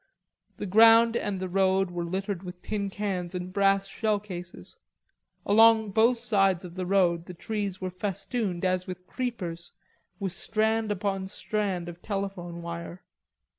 The ground and the road were littered with tin cans and brass shell cases. Along both sides of the road the trees were festooned, as with creepers, with strand upon strand of telephone wire.